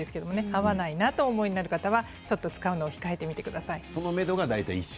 合わないなと思う方は、ちょっと使うのを控えてみてください。